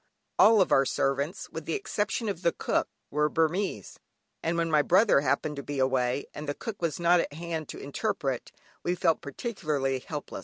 All our servants, with the exception of the cook, were Burmese, and when my brother happened to be away, and the cook was not at hand to interpret, we felt particularly helpless.